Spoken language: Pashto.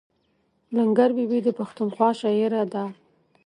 لنګر بي بي د پښتونخوا شاعره ده.